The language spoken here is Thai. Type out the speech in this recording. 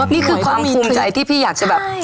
นี่คือความภูมิใจที่พี่อยากจะแบบ